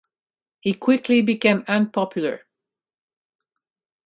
He quickly became unpopular.